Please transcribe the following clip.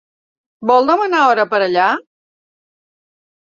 Vol demanar hora per allà?